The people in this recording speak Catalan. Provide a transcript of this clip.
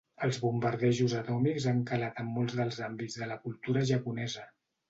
Els bombardejos atòmics han calat en molts dels àmbits de la cultura japonesa.